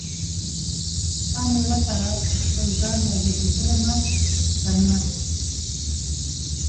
سا مې وتله تر خپل ځان، را ګرزیدمه تلمه